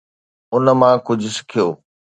ان مان ڪجهه سکيو.